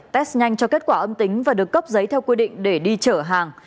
test nhanh cho kết quả âm tính và được cấp giấy theo quy định để đi trở hàng